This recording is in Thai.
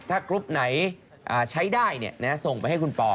ถ้ากรุ๊ปไหนใช้ได้ส่งไปให้คุณปอ